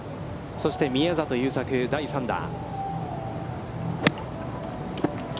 そして、宮里優作、第３打。